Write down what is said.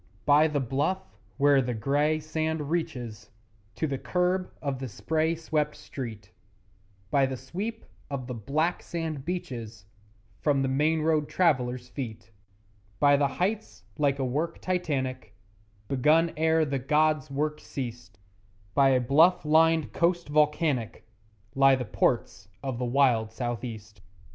By the bluff where the grey sand reaches To the kerb of the spray swept street, By the sweep of the black sand beaches From the main road travellers' feet, By the heights like a work Titanic, Begun ere the gods' work ceased, By a bluff lined coast volcanic Lie the Ports of the wild South east.